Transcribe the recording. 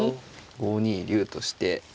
５二竜として。